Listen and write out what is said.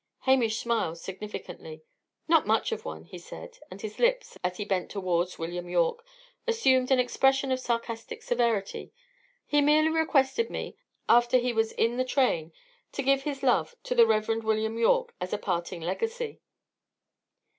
Hamish smiled significantly. "Not much of one," he said, and his lips, as he bent towards William Yorke, assumed an expression of sarcastic severity. "He merely requested me, after he was in the train, to give his love to the Rev. William Yorke, as a parting legacy."